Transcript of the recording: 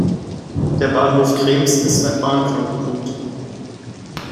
Der Bahnhof Krems ist ein Bahnknotenpunkt.